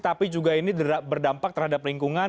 tapi juga ini berdampak terhadap lingkungan